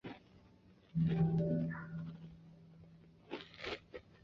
叉苔蛛为皿蛛科苔蛛属的动物。